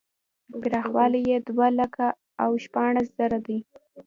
پراخوالی یې دوه لکه او شپاړس زره دی.